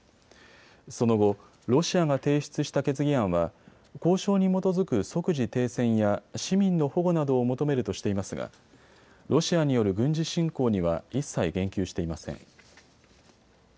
その後、ロシアが提出した決議案は交渉に基づく即時停戦や市民の保護などを求めるとしていますがロシアによる軍事侵攻には一切言及していません。